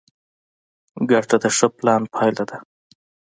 ګټه د ښه پلان پایله ده.